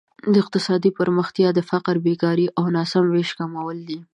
اقتصادي پرمختیا د فقر، بېکارۍ او ناسم ویش کمول دي.